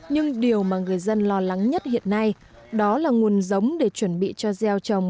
nhưng điều mà người dân lo lắng nhất hiện nay đó là nguồn giống để chuẩn bị cho gieo trồng